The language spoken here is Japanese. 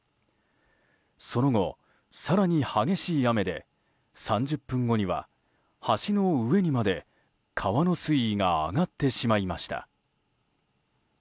その後、更に激しい雨で３０分後には橋の上にまで川の水位が上がってしまいました。